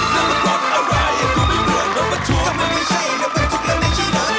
หว่างลงหว่างลงทันชีวิตเป็นโชคใหม่